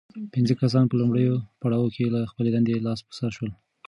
پنځه کسان په لومړي پړاو کې له خپلې دندې لاس په سر شول.